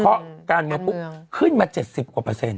เพราะการเมืองปุ๊บขึ้นมา๗๐กว่าเปอร์เซ็น